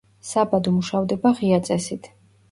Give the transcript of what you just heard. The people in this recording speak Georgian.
საბადო მუშავდება ღია წესით.